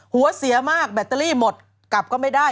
เสียมากแบตเตอรี่หมดกลับก็ไม่ได้